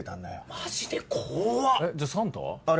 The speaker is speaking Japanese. マジで？